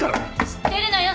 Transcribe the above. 知ってるのよ